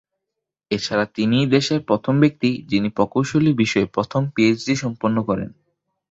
এছাড়া তিনিই দেশের প্রথম ব্যক্তি যিনি প্রকৌশলী বিষয়ে প্রথম পিএইচডি সম্পন্ন করেন।